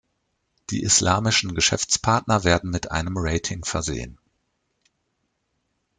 Die islamischen Geschäftspartner werden mit einem Rating versehen.